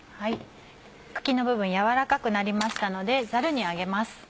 茎の部分軟らかくなりましたのでザルに上げます。